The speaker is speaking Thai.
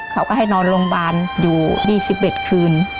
เขาก็ให้นอนโรงพยาบาลอยู่๒๑คืน